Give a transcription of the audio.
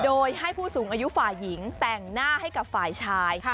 โดยให้ผู้สูงอายุฝ่ายหญิงแต่งหน้าให้กับฝ่ายชาย